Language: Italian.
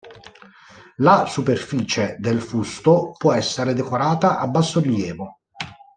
La superficie del fusto può essere decorata a bassorilievo.